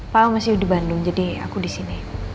pao masih di bandung jadi aku disini